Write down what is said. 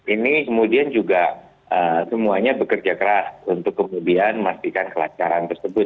ini kemudian juga semuanya bekerja keras untuk kemudian memastikan kelancaran tersebut